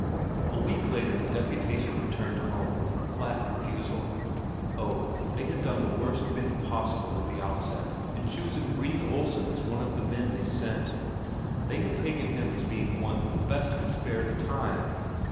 A week later the deputation returned home with a flat refusal. Oh, they had done the worst thing possible at the outset, in choosing Brede Olsen as one of the men they sent they had taken him as being one who best could spare the time.